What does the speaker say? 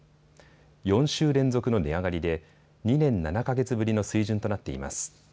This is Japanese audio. ４週連続の値上がりで２年７か月ぶりの水準となっています。